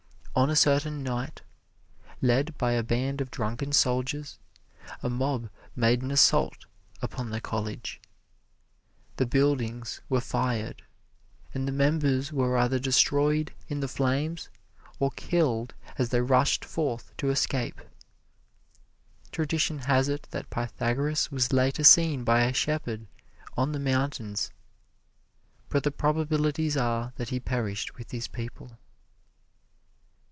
On a certain night, led by a band of drunken soldiers, a mob made an assault upon the college. The buildings were fired, and the members were either destroyed in the flames or killed as they rushed forth to escape. Tradition has it that Pythagoras was later seen by a shepherd on the mountains, but the probabilities are that he perished with his people.